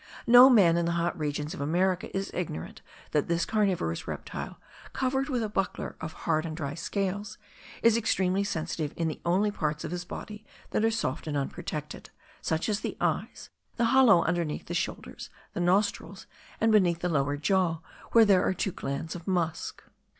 No man in the hot regions of America is ignorant that this carnivorous reptile, covered with a buckler of hard and dry scales, is extremely sensitive in the only parts of his body which are soft and unprotected, such as the eyes, the hollow underneath the shoulders, the nostrils, and beneath the lower jaw, where there are two glands of musk.